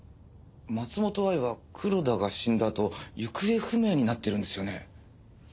松本藍は黒田が死んだあと行方不明になってるんですよね？